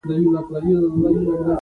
منډه د فشار وینې کنټرولوي